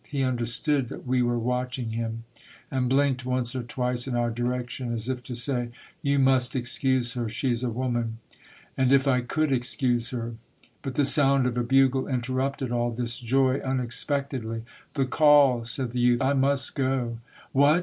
He understood that we were watching him, and blinked once or twice in our direction, as if to say, —*' You must excuse her. She 's a woman." As if I could excuse her ! But the sound of a bugle interrupted all this joy unexpectedly. '' The call !" said the youth. " I must go." " What